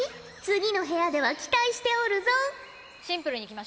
次の部屋では期待しておるぞ！